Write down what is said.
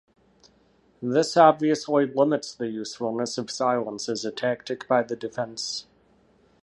This obviously limits the usefulness of silence as a tactic by the defense.